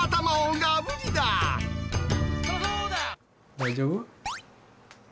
大丈夫？